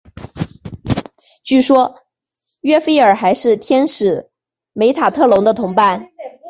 据说约斐尔还是天使梅塔特隆的同伴。